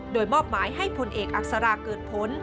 โดยมอบหมายให้พลเอกอักษราเกิดผล